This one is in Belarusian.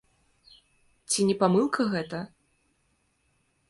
Ці не памылка гэта?